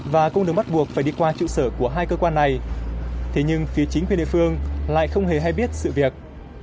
và cung đường bắt buộc phải đi qua trụ sở của hai cơ quan này thế nhưng phía chính quyền địa phương lại không hề hay biết sự việc